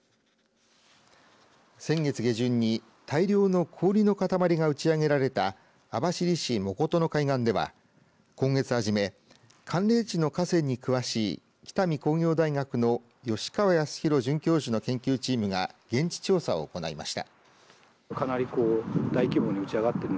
先月下旬に大量の氷の塊が打ち上げられた網走市藻琴の海岸では今月初め、寒冷地の河川に詳しい北見工業大学の吉川泰弘准教授の研究チームが現地調査を行いました。